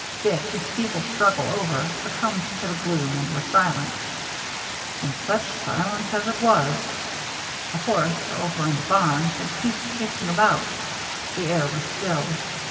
Dick, his feeble struggle over, succumbed to the gloom and was silent. And such silence as it was ! The horse, over in the barn, had ceased kicking about; the air was still.